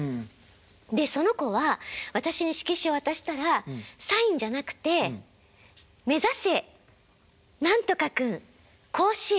でその子は私に色紙を渡したらサインじゃなくて「めざせ何とか君甲子園！